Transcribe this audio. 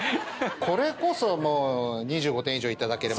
これこそもう２５点以上頂ければ。